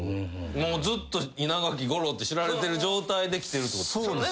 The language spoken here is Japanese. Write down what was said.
もうずっと稲垣吾郎って知られてる状態できてるってことですよね。